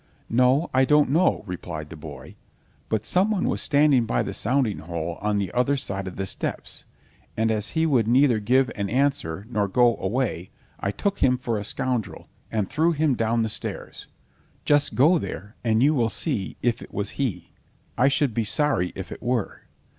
"No, I don't know," replied the boy, "but someone was standing by the sounding hole on the other side of the steps, and as he would neither give an answer nor go away, I took him for a scoundrel, and threw him down stairs; just go there and you will see if it was he, I should be sorry if it were."